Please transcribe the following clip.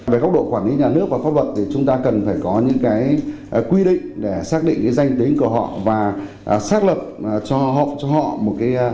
về góc độ quản lý nhà nước và pháp luật thì chúng ta cần phải có những quy định để xác định danh tính của họ và xác lập cho họ cho họ một cái